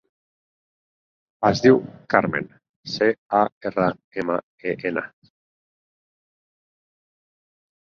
Es diu Carmen: ce, a, erra, ema, e, ena.